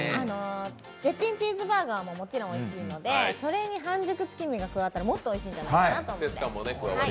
絶品チーズバーガーももちろんおいしいのでそれに半熟月見が加わったらもっとおいしいんじゃないかなって。